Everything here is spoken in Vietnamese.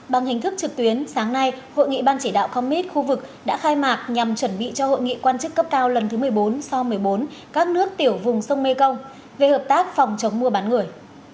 bằng hình thức trực tuyến sáng nay hội nghị ban chỉ đạo commit khu vực đã khai mạc nhằm chuẩn bị cho hội nghị quan chức cấp cao lần thứ một mươi bốn so một mươi bốn các nước tiểu vùng sông mekong về hợp tác phòng chống mua bán người